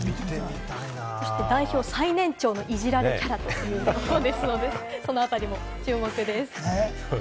代表最年長といじられキャラということですので、そのあたりも注目です。